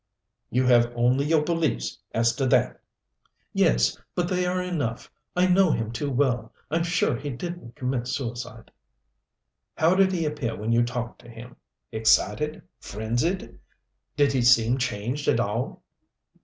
"You have only your beliefs as to that?" "Yes, but they are enough. I know him too well. I'm sure he didn't commit suicide." "How did he appear when you talked to him excited, frenzied? Did he seem changed at all?"